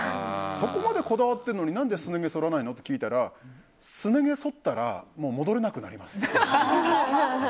そこまでこだわってるのに何ですね毛そらないのって聞いたらすね毛、そったらもう戻れなくなりますって。